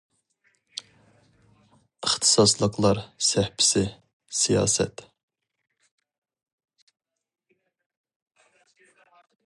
ئىختىساسلىقلار سەھىپىسى، سىياسەت.